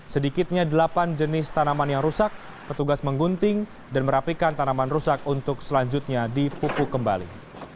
sedikitnya delapan jenis tanaman yang rusak petugas menggunting dan merapikan tanaman rusak untuk selanjutnya dipupuk kembali